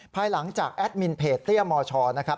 ภายหลังจากแอดมินเพจเตี้ยมชนะครับ